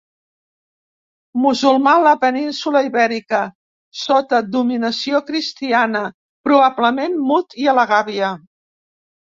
Musulmà a la península Ibèrica sota dominació cristiana, probablement mut i a la gàbia.